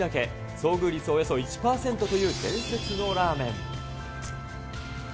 遭遇率およそ１％という伝説のラーメン。